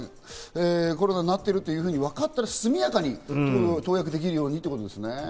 コロナになってると分かったら、速やかに投薬できるようにということですね。